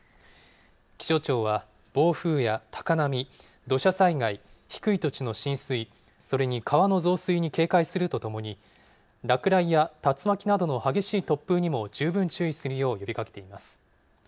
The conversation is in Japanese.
気象庁は暴風や高波、土砂災害、低い土地の浸水、それに川の増水に警戒するとともに、落雷や竜巻などの激しい突風にも十分注意するよう呼びかけています。